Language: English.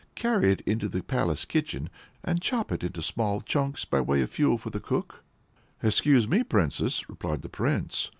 Carry it into the palace kitchen, and chop it into small chunks by way of fuel for the cook." "Excuse me, Princess," replied the prince.